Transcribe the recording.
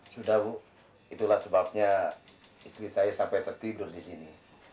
sudah bu itulah sebabnya istri saya sampai tertidur di sini